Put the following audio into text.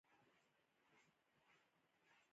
مېرمن نېکبختي د خپل وخت علوم لوستلي ول.